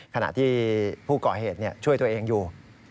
ขณะที่ผู้ก่อเหตุช่วยตัวเองอยู่